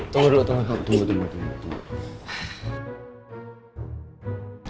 tunggu dulu tunggu